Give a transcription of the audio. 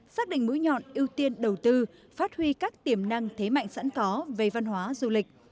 xác định mũi nhọn ưu tiên đầu tư phát huy các tiềm năng thế mạnh sẵn có về văn hóa du lịch